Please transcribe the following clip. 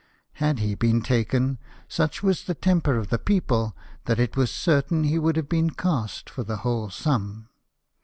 Had he been taken, such was the temper of the people, that it was certain he would have been cast for the whole sum.